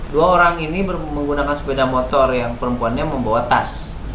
dua orang menggunakan sepeda motor dan perempuan membawa tas